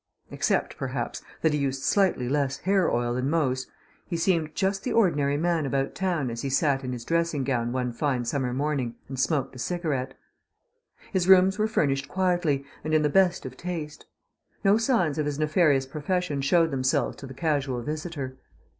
Except, perhaps, that he used slightly less hair oil than most, he seemed just the ordinary man about town as he sat in his dressing gown one fine summer morning and smoked a cigarette. His rooms were furnished quietly and in the best of taste. No signs of his nefarious profession showed themselves to the casual visitor.